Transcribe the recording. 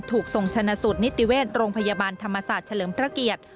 ถูกส่งชนะสูตรนิติเวชโรงพยาบาลธรรมศาสตร์เฉลิมพระเกียรติ